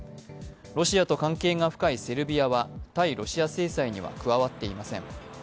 ロシアと関係が深いセルビアは対ロシア制裁には加わっていません。